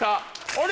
あれ？